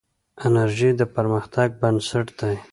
انرژي د پرمختګ بنسټ دی.